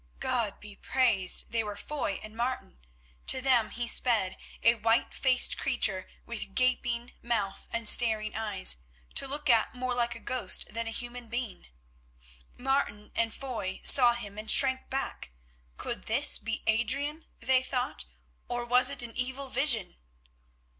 God be praised! They were Foy and Martin. To them he sped, a white faced creature with gaping mouth and staring eyes, to look at more like a ghost than a human being. Martin and Foy saw him and shrank back. Could this be Adrian, they thought, or was it an evil vision?